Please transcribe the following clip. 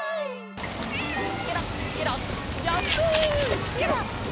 ケロッケロッジャンプ！